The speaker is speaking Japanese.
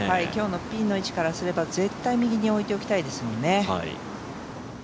今日のピンの位置からすれば、絶対右に置いておきたいですもんね。